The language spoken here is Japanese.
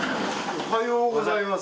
おはようございます。